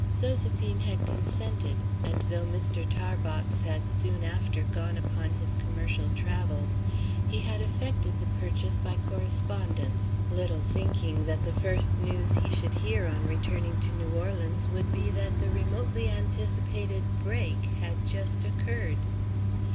Zoséphine had consented; and though Mr. Tarbox had soon after gone upon his commercial travels, he had effected the purchase by correspondence, little thinking that the first news he should hear on returning to New Orleans would be that the remotely anticipated "break" had just occurred.